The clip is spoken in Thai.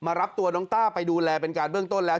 รับตัวน้องต้าไปดูแลเป็นการเบื้องต้นแล้ว